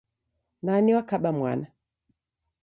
Nani wakabamwana?